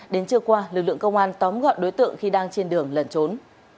đến trưa qua lực lượng công an tóm gọn đối tượng khi đang trên đường lẩn trốn